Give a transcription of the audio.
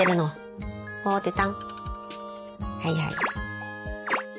はいはい。